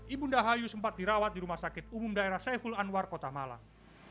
ibu ndahayu sempat dirawat di rumah sakit umum daerah saiful anwar kota malang